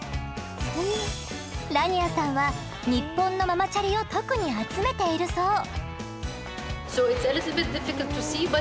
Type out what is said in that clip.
ラニアさんはニッポンのママチャリを特に集めているそう。